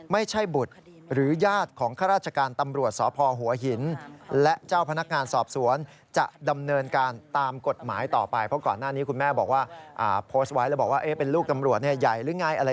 ไม่ใช่บุตรหรือญาติของข้าราชการตำรวจสภหัวหิน